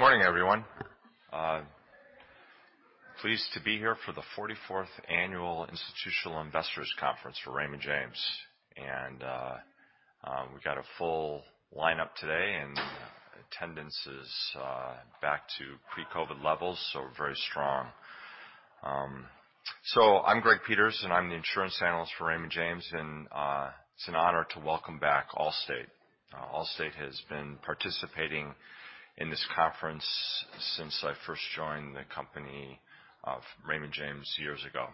Good morning, everyone. Pleased to be here for the 44th annual institutional investors conference for Raymond James. We got a full lineup today and attendance is back to pre-COVID levels, so very strong. So I'm Greg Peters, and I'm the Insurance analyst for Raymond James. It's an honor to welcome back Allstate. Allstate has been participating in this conference since I first joined the company of Raymond James years ago.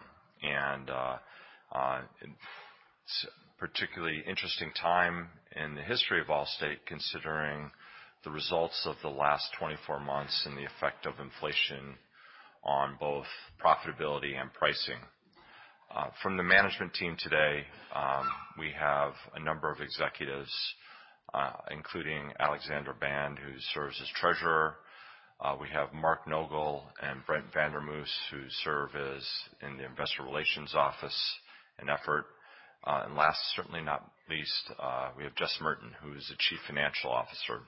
It's a particularly interesting time in the history of Allstate considering the results of the last 24 months and the effect of inflation on both profitability and pricing. From the management team today, we have a number of executives, including Allister Gobin, who serves as Treasurer. We have Mark Nogal and Brent Vandermause, who serve in the investor relations office and effort. Last, certainly not least, we have Jess Merten, who is the Chief Financial Officer.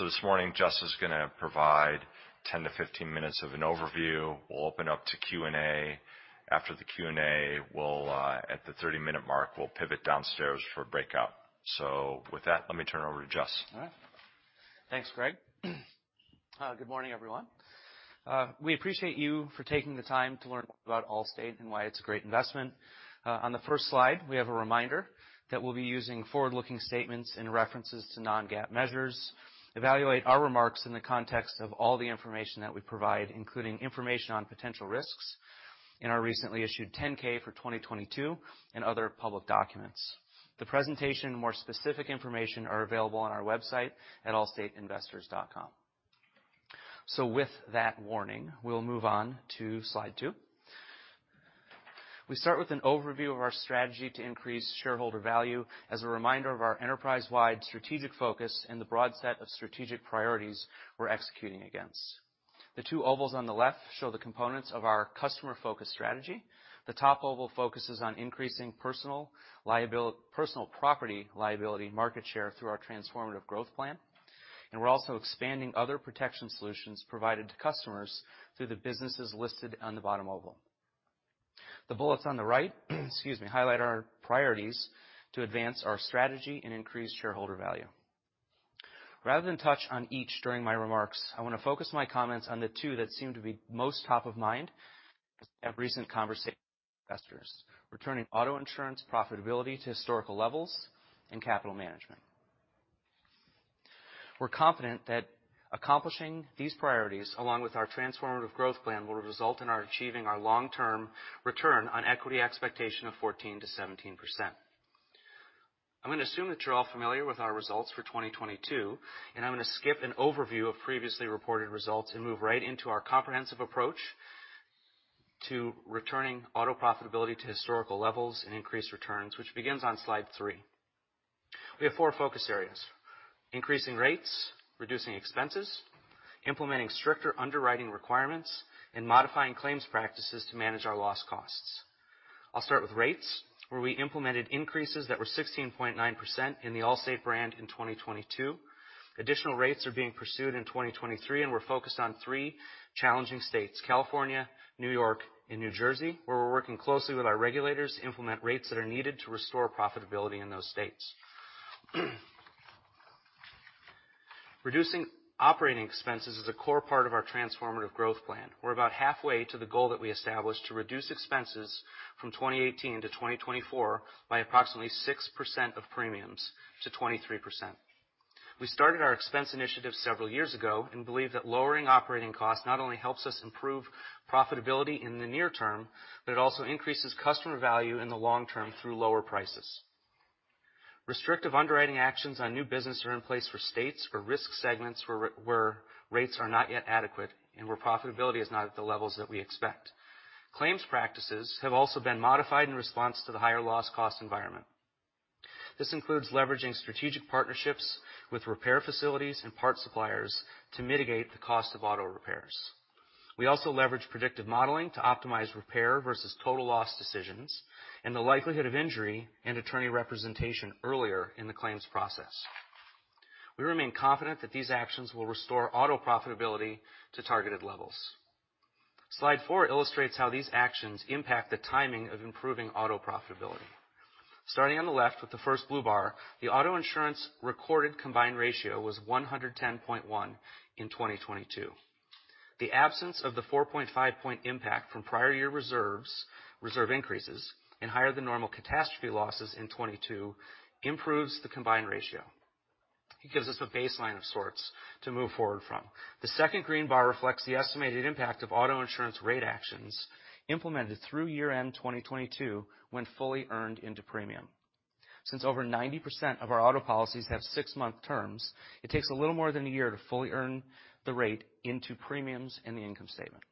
This morning, Jess is gonna provide 10-15 minutes of an overview. We'll open up to Q&A. After the Q&A, we'll, at the 30-minute mark, we'll pivot downstairs for a breakout. With that, let me turn it over to Jess. All right. Thanks, Greg. Good morning, everyone. We appreciate you for taking the time to learn about Allstate and why it's a great investment. On the first slide, we have a reminder that we'll be using forward-looking statements and references to non-GAAP measures. Evaluate our remarks in the context of all the information that we provide, including information on potential risks in our recently issued 10-K for 2022 and other public documents. The presentation and more specific information are available on our website at allstateinvestors.com. With that warning, we'll move on to slide two. We start with an overview of our strategy to increase shareholder value as a reminder of our enterprise-wide strategic focus and the broad set of strategic priorities we're executing against. The two ovals on the left show the components of our customer-focused strategy. The top oval focuses on increasing personal property liability market share through our Transformative Growth Plan, and we're also expanding other protection solutions provided to customers through the businesses listed on the bottom oval. The bullets on the right, excuse me, highlight our priorities to advance our strategy and increase shareholder value. Rather than touch on each during my remarks, I wanna focus my comments on the two that seem to be most top of mind at recent conversations with investors. Returning auto insurance profitability to historical levels and capital management. We're confident that accomplishing these priorities along with our Transformative Growth Plan will result in our achieving our long-term return on equity expectation of 14%-17%. I'm gonna assume that you're all familiar with our results for 2022, and I'm gonna skip an overview of previously reported results and move right into our comprehensive approach to returning auto profitability to historical levels and increased returns, which begins on slide three. We have four focus areas: increasing rates, reducing expenses, implementing stricter underwriting requirements, and modifying claims practices to manage our loss costs. I'll start with rates, where I implemented increases that were 16.9% in the Allstate brand in 2022. Additional rates are being pursued in 2023, and we're focused on three challenging states, California, New York, and New Jersey, where we're working closely with our regulators to implement rates that are needed to restore profitability in those states. Reducing operating expenses is a core part of our Transformative Growth Plan. We're about halfway to the goal that we established to reduce expenses from 2018 to 2024 by approximately 6% of premiums to 23%. We started our expense initiative several years ago and believe that lowering operating costs not only helps us improve profitability in the near term, but it also increases customer value in the long-term through lower prices. Restrictive underwriting actions on new business are in place for states or risk segments where rates are not yet adequate and where profitability is not at the levels that we expect. Claims practices have also been modified in response to the higher loss cost environment. This includes leveraging strategic partnerships with repair facilities and parts suppliers to mitigate the cost of auto repairs. We also leverage predictive modeling to optimize repair versus total loss decisions and the likelihood of injury and attorney representation earlier in the claims process. We remain confident that these actions will restore auto profitability to targeted levels. Slide 4 illustrates how these actions impact the timing of improving auto profitability. Starting on the left with the first blue bar, the auto insurance recorded combined ratio was 110.1 in 2022. The absence of the 4.5 impact from prior year reserves, reserve increases and higher than normal catastrophe losses in 2022 improves the combined ratio. It gives us a baseline of sorts to move forward from. The second green bar reflects the estimated impact of auto insurance rate actions implemented through year-end 2022 when fully earned into premium. Since over 90% of our auto policies have six-month terms, it takes a little more than a year to fully earn the rate into premiums in the income statement.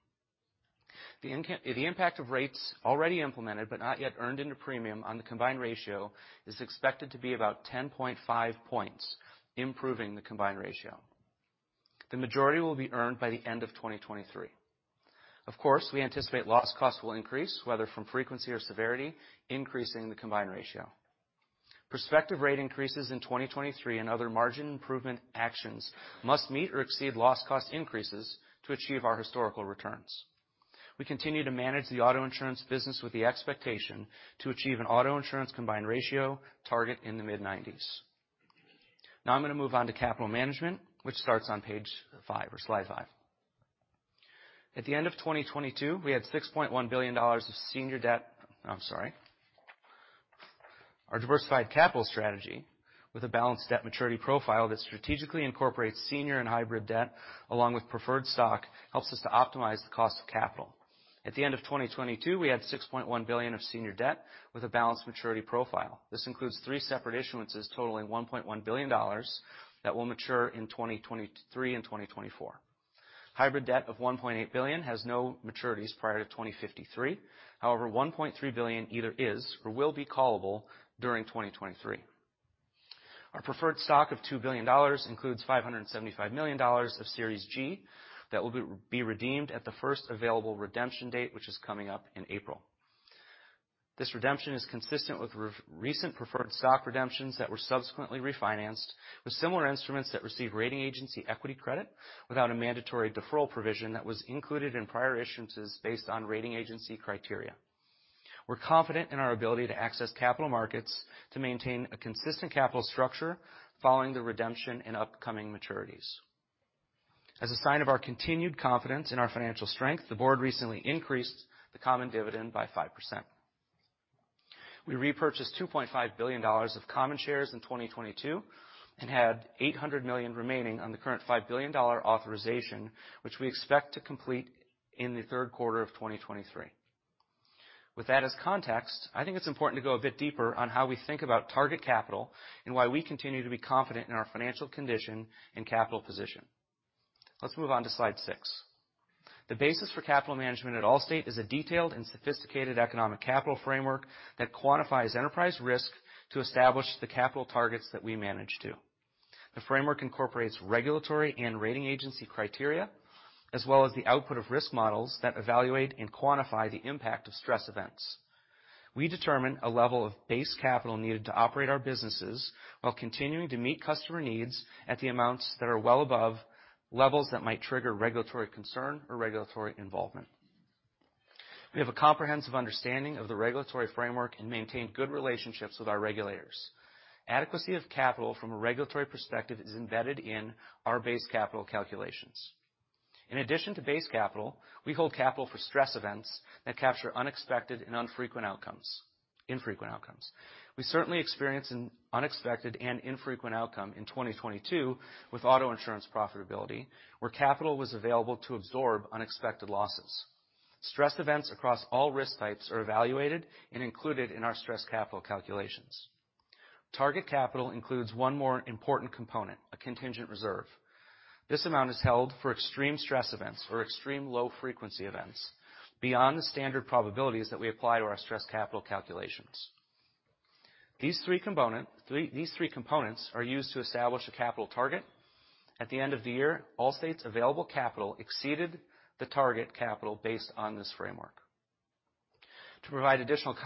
The impact of rates already implemented but not yet earned into premium on the combined ratio is expected to be about 10.5 points, improving the combined ratio. The majority will be earned by the end of 2023. Of course, we anticipate loss cost will increase, whether from frequency or severity, increasing the combined ratio. Prospective rate increases in 2023 and other margin improvement actions must meet or exceed loss cost increases to achieve our historical returns. We continue to manage the auto insurance business with the expectation to achieve an auto insurance combined ratio target in the mid-90s. I'm gonna move on to capital management, which starts on page five or slide five. At the end of 2022, we had $6.1 billion of senior debt. Our diversified capital strategy, with a balanced debt maturity profile that strategically incorporates senior and hybrid debt along with preferred stock, helps us to optimize the cost of capital. At the end of 2022, we had $6.1 billion of senior debt with a balanced maturity profile. This includes three separate issuances totaling $1.1 billion that will mature in 2023 and 2024. Hybrid debt of $1.8 billion has no maturities prior to 2053. $1.3 billion either is or will be callable during 2023. Our preferred stock of $2 billion includes $575 million of Series G that will be redeemed at the first available redemption date, which is coming up in April. This redemption is consistent with recent preferred stock redemptions that were subsequently refinanced with similar instruments that receive rating agency equity credit without a mandatory deferral provision that was included in prior issuances based on rating agency criteria. We're confident in our ability to access capital markets to maintain a consistent capital structure following the redemption in upcoming maturities. As a sign of our continued confidence in our financial strength, the board recently increased the common dividend by 5%. We repurchased $2.5 billion of common shares in 2022 and had $800 million remaining on the current $5 billion authorization, which we expect to complete in the third quarter of 2023. With that as context, I think it's important to go a bit deeper on how we think about target capital and why we continue to be confident in our financial condition and capital position. Let's move on to slide six. The basis for capital management at Allstate is a detailed and sophisticated economic capital framework that quantifies enterprise risk to establish the capital targets that we manage to. The framework incorporates regulatory and rating agency criteria, as well as the output of risk models that evaluate and quantify the impact of stress events. We determine a level of base capital needed to operate our businesses while continuing to meet customer needs at the amounts that are well above levels that might trigger regulatory concern or regulatory involvement. We have a comprehensive understanding of the regulatory framework and maintain good relationships with our regulators. Adequacy of capital from a regulatory perspective is embedded in our base capital calculations. In addition to base capital, we hold capital for stress events that capture unexpected and infrequent outcomes. We certainly experienced an unexpected and infrequent outcome in 2022 with auto insurance profitability, where capital was available to absorb unexpected losses. Stress events across all risk types are evaluated and included in our stress capital calculations. Target capital includes one more important component, a contingent reserve. This amount is held for extreme stress events or extreme low-frequency events beyond the standard probabilities that we apply to our stress capital calculations. These three components are used to establish a capital target. At the end of the year, Allstate's available capital exceeded the target capital based on this framework. To provide additional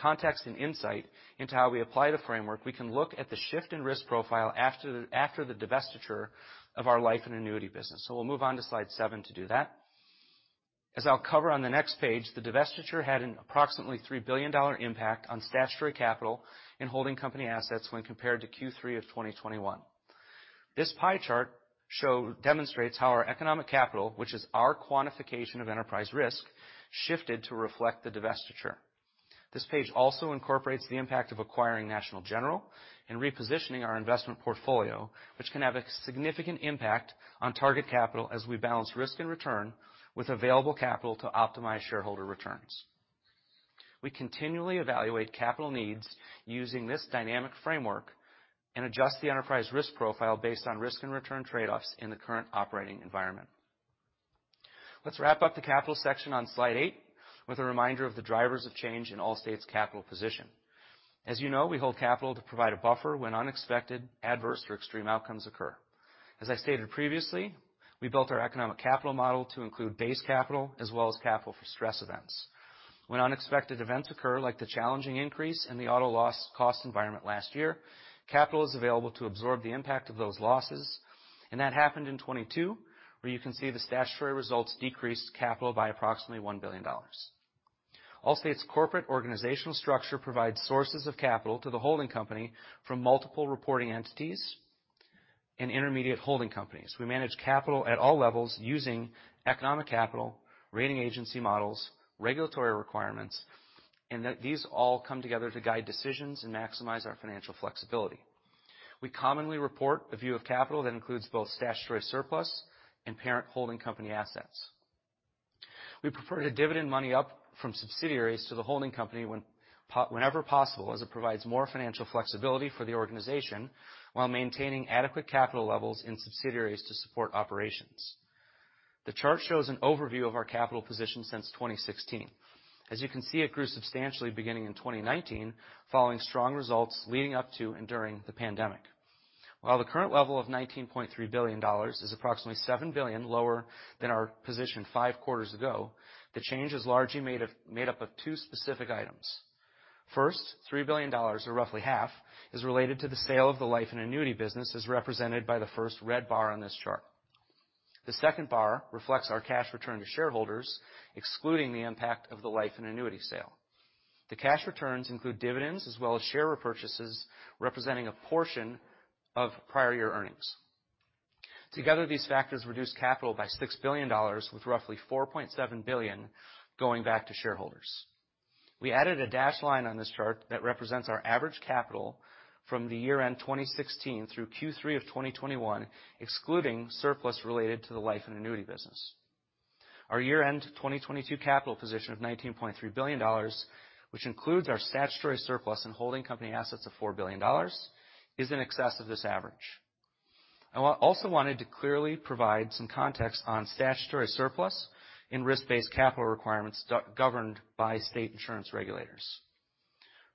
context and insight into how we apply the framework, we can look at the shift in risk profile after the divestiture of our life & annuity business. We'll move on to slide seven to do that. As I'll cover on the next page, the divestiture had an approximately $3 billion impact on statutory capital in holding company assets when compared to Q3 of 2021. This pie chart demonstrates how our Economic Capital, which is our quantification of enterprise risk, shifted to reflect the divestiture. This page also incorporates the impact of acquiring National General and repositioning our investment portfolio, which can have a significant impact on target capital as we balance risk and return with available capital to optimize shareholder returns. We continually evaluate capital needs using this dynamic framework and adjust the enterprise risk profile based on risk and return trade-offs in the current operating environment. Let's wrap up the capital section on slide 8 with a reminder of the drivers of change in Allstate's capital position. As you know, we hold capital to provide a buffer when unexpected, adverse or extreme outcomes occur. As I stated previously, we built our Economic Capital model to include base capital as well as capital for stress events. When unexpected events occur, like the challenging increase in the auto loss cost environment last year, capital is available to absorb the impact of those losses, and that happened in 2022, where you can see the statutory results decreased capital by approximately $1 billion. Allstate's corporate organizational structure provides sources of capital to the holding company from multiple reporting entities and intermediate holding companies. We manage capital at all levels using Economic Capital, rating agency models, regulatory requirements, these all come together to guide decisions and maximize our financial flexibility. We commonly report a view of capital that includes both Statutory Surplus and parent holding company assets. We prefer to dividend money up from subsidiaries to the holding company whenever possible, as it provides more financial flexibility for the organization while maintaining adequate capital levels in subsidiaries to support operations. The chart shows an overview of our capital position since 2016. As you can see, it grew substantially beginning in 2019, following strong results leading up to and during the pandemic. While the current level of $19.3 billion is approximately $7 billion lower than our position 5 quarters ago, the change is largely made up of two specific items. First, $3 billion, or roughly half, is related to the sale of the life & annuity business, as represented by the first red bar on this chart. The second bar reflects our cash return to shareholders, excluding the impact of the life & annuity sale. The cash returns include dividends as well as share repurchases, representing a portion of prior year earnings. Together, these factors reduced capital by $6 billion, with roughly $4.7 billion going back to shareholders. We added a dashed line on this chart that represents our average capital from the year-end 2016 through Q3 of 2021, excluding surplus related to the life & annuity business. Our year-end 2022 capital position of $19.3 billion, which includes our Statutory Surplus and holding company assets of $4 billion, is in excess of this average. I also wanted to clearly provide some context on Statutory Surplus and Risk-Based Capital requirements governed by state insurance regulators.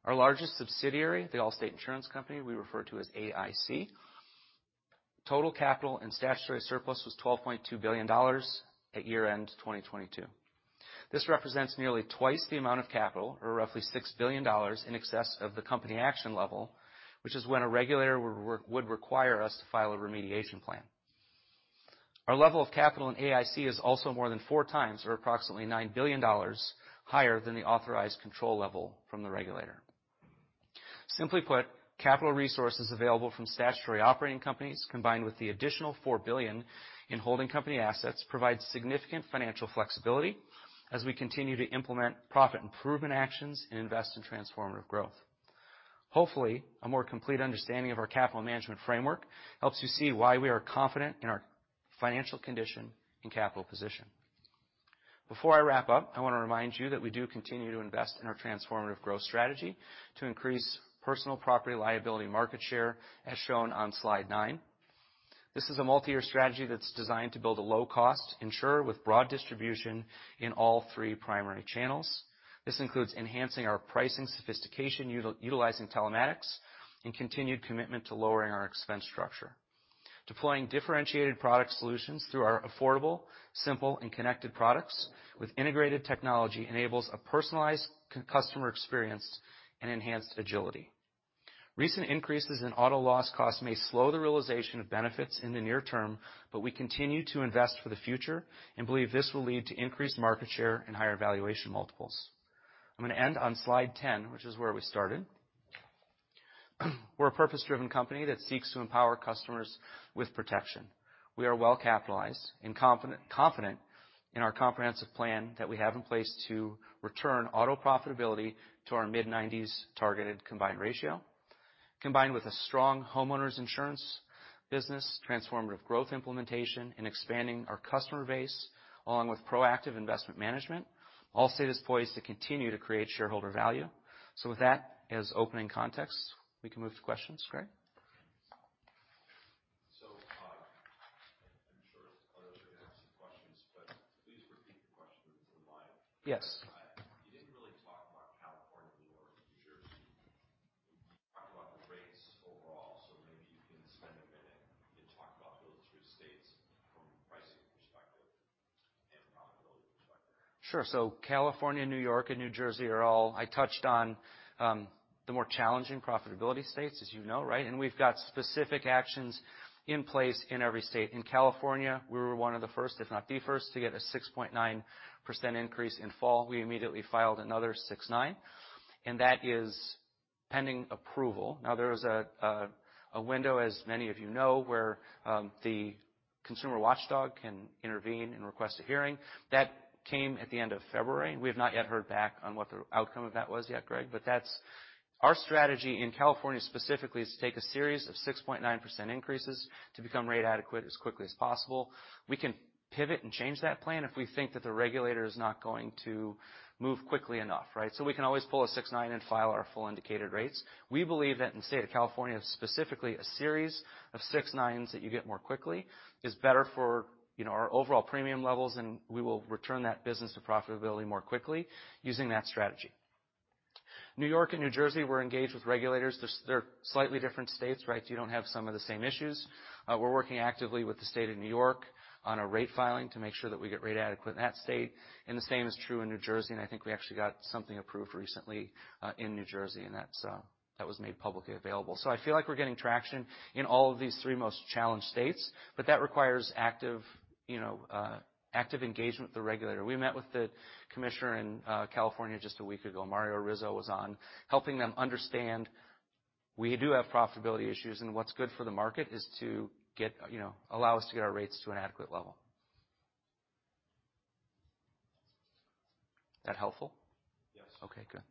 Our largest subsidiary, the Allstate Insurance Company, we refer to as AIC. Total capital and Statutory Surplus was $12.2 billion at year-end 2022. This represents nearly twice the amount of capital, or roughly $6 billion in excess of the Company Action Level, which is when a regulator would require us to file a remediation plan. Our level of capital in AIC is also more than four times, or approximately $9 billion higher than the Authorized Control Level from the regulator. Simply put, capital resources available from statutory operating companies, combined with the additional $4 billion in holding company assets, provide significant financial flexibility as we continue to implement profit improvement actions and invest in Transformative Growth. Hopefully, a more complete understanding of our capital management framework helps you see why we are confident in our financial condition and capital position. Before I wrap up, I want to remind you that we do continue to invest in our Transformative Growth strategy to increase personal property liability market share, as shown on slide nine. This is a multi-year strategy that's designed to build a low-cost insurer with broad distribution in all three primary channels. This includes enhancing our pricing sophistication utilizing Telematics and continued commitment to lowering our expense structure. Deploying differentiated product solutions through our affordable, simple, and connected products with integrated technology enables a personalized customer experience and enhanced agility. Recent increases in auto loss costs may slow the realization of benefits in the near-term, but we continue to invest for the future and believe this will lead to increased market share and higher valuation multiples. I'm gonna end on slide 10, which is where we started. We're a purpose-driven company that seeks to empower customers with protection. We are well-capitalized and confident in our comprehensive plan that we have in place to return auto profitability to our mid-nineties targeted combined ratio. Combined with a strong homeowners insurance business, Transformative Growth implementation, and expanding our customer base along with proactive investment management, Allstate is poised to continue to create shareholder value. With that, as opening context, we can move to questions. Greg? I'm sure others are gonna ask some questions, but please repeat the question for the line. Yes. You didn't really talk about California, New York, New Jersey. You talked about the rates overall, so maybe you can spend a minute and talk about those three states from a pricing perspective and profitability perspective. Sure. California, New York, and New Jersey are all, I touched on the more challenging profitability states, as you know, right? We've got specific actions in place in every state. In California, we were one of the first, if not the first, to get a 6.9% increase in fall. We immediately filed another 6.9%, and that is pending approval. There's a window, as many of you know, where the consumer watchdog can intervene and request a hearing. That came at the end of February, and we have not yet heard back on what the outcome of that was yet, Greg. That's Our strategy in California specifically is to take a series of 6.9% increases to become rate adequate as quickly as possible. We can pivot and change that plan if we think that the regulator is not going to move quickly enough, right? We can always pull a six-nine and file our full indicated rates. We believe that in the state of California, specifically a series of 6.9% That you get more quickly is better for, you know, our overall premium levels, and we will return that business to profitability more quickly using that strategy. New York and New Jersey, we're engaged with regulators. They're slightly different states, right? You don't have some of the same issues. We're working actively with the state of New York on a rate filing to make sure that we get rate adequate in that state. The same is true in New Jersey, and I think we actually got something approved recently in New Jersey, and that's that was made publicly available. I feel like we're getting traction in all of these three most challenged states, but that requires active, you know, active engagement with the regulator. We met with the commissioner in California just a week ago. Mario Rizzo was on, helping them understand we do have profitability issues and what's good for the market is to get, you know, allow us to get our rates to an adequate level. That helpful? Yes. Okay, good.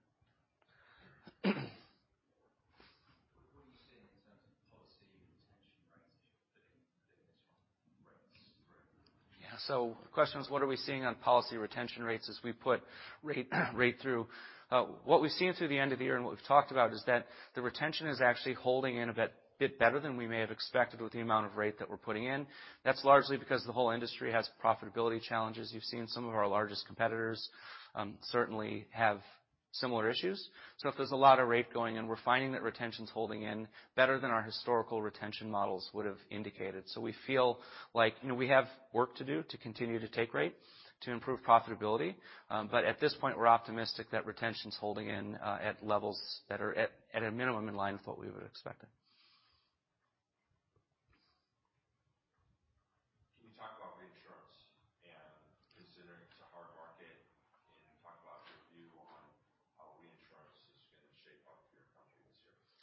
The question is what are we seeing on policy retention rates as we put rate through. What we've seen through the end of the year, and what we've talked about is that the retention is actually holding in a bit better than we may have expected with the amount of rate that we're putting in. That's largely because the whole industry has profitability challenges. You've seen some of our largest competitors, certainly have similar issues. If there's a lot of rate going in, we're finding that retention is holding in better than our historical retention models would have indicated. We feel like, you know, we have work to do to continue to take rate to improve profitability. At this point, we're optimistic that retention is holding in, at levels that are at a minimum in line with what we would expect.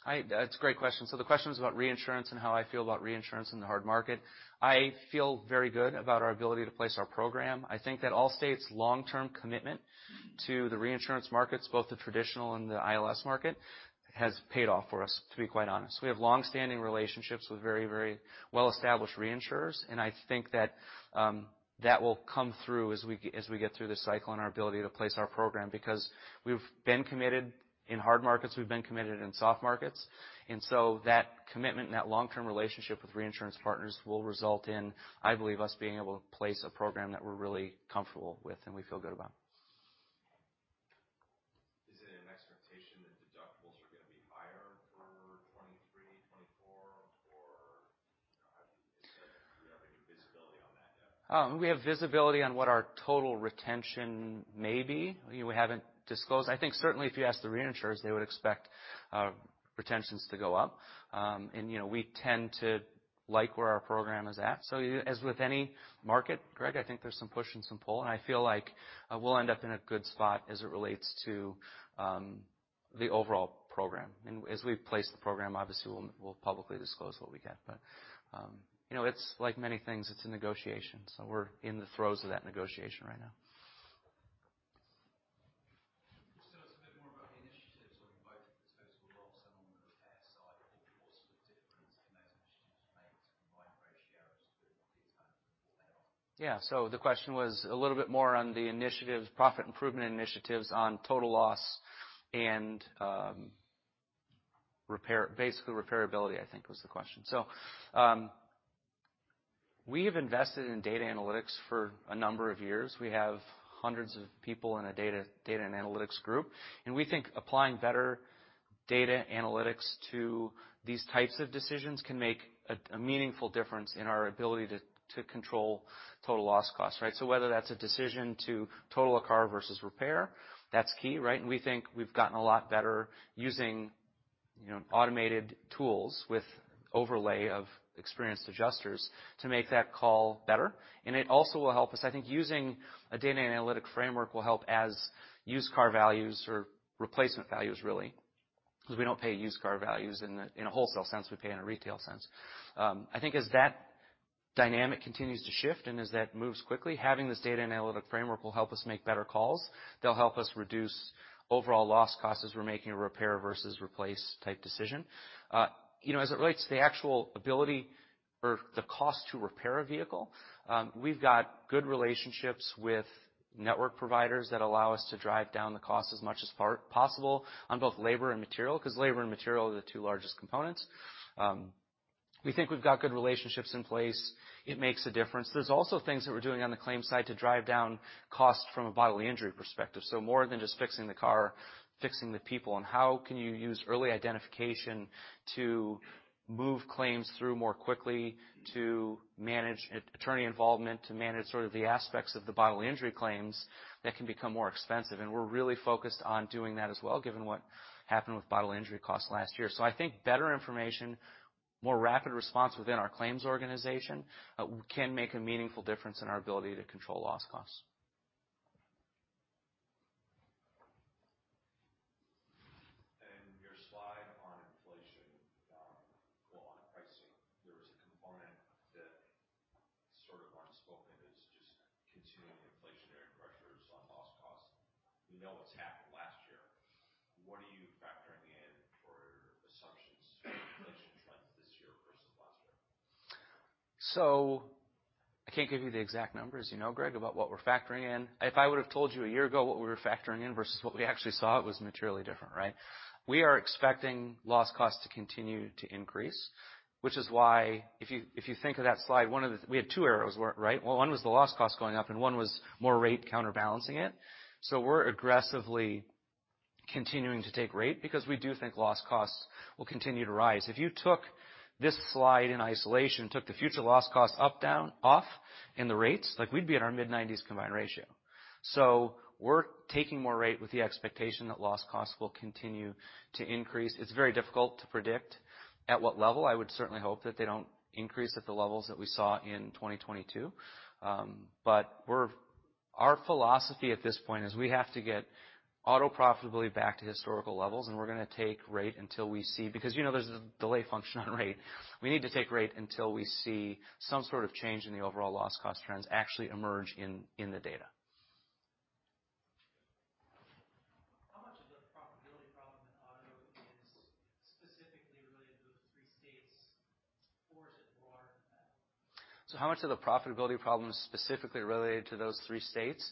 Can you talk about reinsurance and considering it's a hard market, can you talk about your view on how reinsurance is gonna shape up your company this year? That's a great question. The question is about reinsurance and how I feel about reinsurance in the hard market. I feel very good about our ability to place our program. I think that Allstate's long-term commitment to the reinsurance markets, both the traditional and the ILS market, has paid off for us, to be quite honest. We have long-standing relationships with very, very well-established reinsurers, and I think that will come through as we get through this cycle and our ability to place our program because we've been committed in hard markets, we've been committed in soft markets. That commitment and that long-term relationship with reinsurance partners will result in, I believe, us being able to place a program that we're really comfortable with and we feel good about. Is it an expectation that deductibles are gonna be higher for 2023, 2024 or how do you have any visibility on that yet? We have visibility on what our total retention may be. We haven't disclosed. I think certainly if you ask the reinsurers, they would expect retentions to go up. You know, we tend to like where our program is at. As with any market, Greg, I think there's some push and some pull, and I feel like we'll end up in a good spot as it relates to the overall program. As we place the program, obviously, we'll publicly disclose what we get. You know, it's like many things, it's a negotiation. We're in the throes of that negotiation right now. Can you tell us a bit more about the initiatives on both the total loss and on the repair side, and what sort of difference can those initiatives make to combined ratios with these kinds of. The question was a little bit more on the initiatives, profit improvement initiatives on total loss and repair, basically repairability, I think was the question. We have invested in data analytics for a number of years. We have hundreds of people in a data and analytics group, and we think applying better data analytics to these types of decisions can make a meaningful difference in our ability to control total loss costs, right? Whether that's a decision to total a car versus repair, that's key, right? We think we've gotten a lot better using, you know, automated tools with overlay of experienced adjusters to make that call better. It also will help us, I think using a data analytic framework will help as used car values or replacement values really, because we don't pay used car values in a, in a wholesale sense, we pay in a retail sense. I think as that dynamic continues to shift and as that moves quickly, having this data analytic framework will help us make better calls. They'll help us reduce overall loss costs as we're making a repair versus replace type decision. You know, as it relates to the actual ability or the cost to repair a vehicle, we've got good relationships with network providers that allow us to drive down the cost as much as far-possible on both labor and material, 'cause labor and material are the two largest components. We think we've got good relationships in place. It makes a difference. There's also things that we're doing on the claims side to drive down costs from a bodily injury perspective. More than just fixing the car, fixing the people, and how can you use early identification to move claims through more quickly, to manage attorney involvement, to manage sort of the aspects of the bodily injury claims that can become more expensive. We're really focused on doing that as well, given what happened with bodily injury costs last year. I think better information, more rapid response within our claims organization, can make a meaningful difference in our ability to control loss costs. In your slide on inflation, well on pricing, there was a component that sort of aren't spoken, is just continuing inflationary pressures on loss costs. We know what's happened last year. What are you factoring in for assumptions for inflation trends this year versus last year? I can't give you the exact numbers, you know, Greg, about what we're factoring in. If I would have told you a year ago what we were factoring in versus what we actually saw, it was materially different, right? We are expecting loss costs to continue to increase, which is why if you think of that slide, one of the two arrows, right? One was the loss cost going up and one was more rate counterbalancing it. We're aggressively continuing to take rate because we do think loss costs will continue to rise. If you took this slide in isolation, took the future loss cost up, down off in the rates, like we'd be in our mid-90s combined ratio. We're taking more rate with the expectation that loss costs will continue to increase. It's very difficult to predict at what level. I would certainly hope that they don't increase at the levels that we saw in 2022. But our philosophy at this point is we have to get auto profitability back to historical levels, and we're gonna take rate until we see. Because, you know, there's a delay function on rate. We need to take rate until we see some sort of change in the overall loss cost trends actually emerge in the data. How much of the profitability problem is specifically related to those 3 states?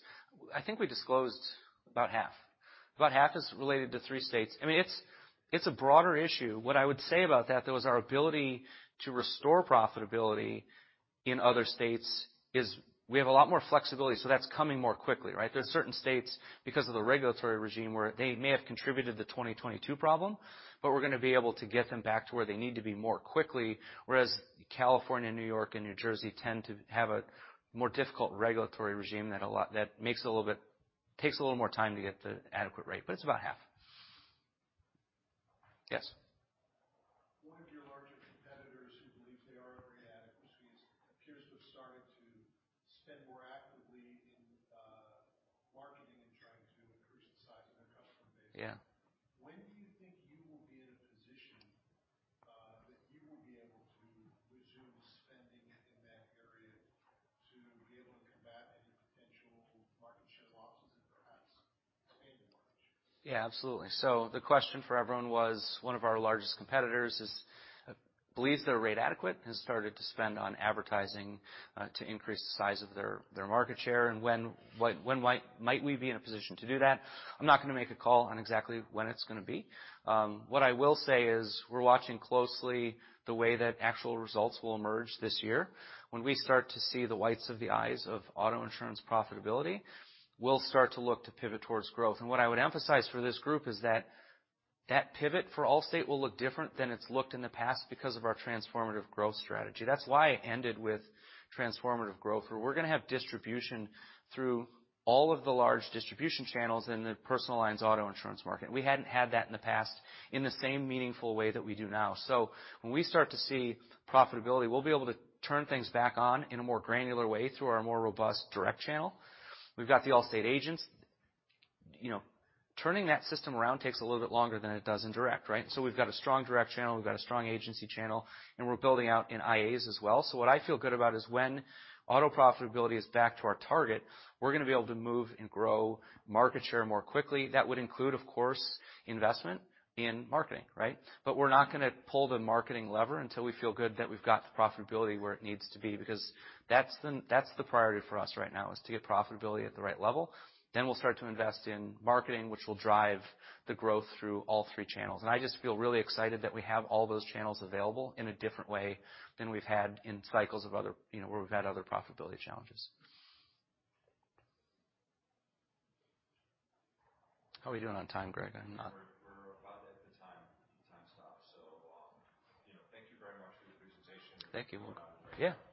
I think we disclosed about half is related to three states. I mean, it's a broader issue. What I would say about that, though, is our ability to restore profitability in other states is we have a lot more flexibility, so that's coming more quickly, right? There's certain states, because of the regulatory regime, where they may have contributed to the 2022 problem, but we're gonna be able to get them back to where they need to be more quickly. Whereas California, New York, and New Jersey tend to have a more difficult regulatory regime that takes a little more time to get to adequate rate. It's about half. Yes. One of your larger competitors who believes they are already adequate appears to have started to spend more actively in marketing and trying to increase the size of their customer base. Yeah. When do you think you will be in a position that you will be able to resume spending in that area to be able to combat any potential market share losses and perhaps gain market share? Absolutely. The question for everyone was one of our largest competitors is believes they're rate adequate, has started to spend on advertising to increase the size of their market share, and when might we be in a position to do that? I'm not gonna make a call on exactly when it's gonna be. What I will say is we're watching closely the way that actual results will emerge this year. When we start to see the whites of the eyes of auto insurance profitability, we'll start to look to pivot towards growth. What I would emphasize for this group is that that pivot for Allstate will look different than it's looked in the past because of our Transformative Growth strategy. That's why I ended with Transformative Growth, where we're gonna have distribution through all of the large distribution channels in the personal lines auto insurance market. We hadn't had that in the past in the same meaningful way that we do now. When we start to see profitability, we'll be able to turn things back on in a more granular way through our more robust direct channel. We've got the Allstate agents. You know, turning that system around takes a little bit longer than it does in direct, right? We've got a strong direct channel, we've got a strong agency channel, and we're building out in IAs as well. What I feel good about is when auto profitability is back to our target, we're gonna be able to move and grow market share more quickly. That would include, of course, investment in marketing, right? We're not gonna pull the marketing lever until we feel good that we've got the profitability where it needs to be, because that's the priority for us right now, is to get profitability at the right level. We'll start to invest in marketing, which will drive the growth through all three channels. I just feel really excited that we have all those channels available in a different way than we've had in cycles of other, you know, where we've had other profitability challenges. How we doing on time, Greg? We're about at the time stop. You know, thank you very much for your presentation. Thank you. We're done for now. Yeah.